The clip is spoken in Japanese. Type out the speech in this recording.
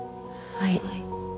「はい」